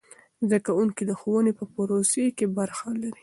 زده کوونکي د ښوونې په پروسې کې برخه لري.